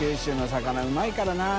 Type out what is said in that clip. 竜うまいからな。